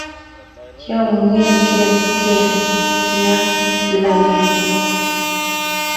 Kiamung'en ket kel ya kilal asista